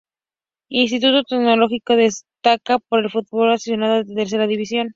Instituto Tecnológico destaca por el fútbol aficionado de Tercera División.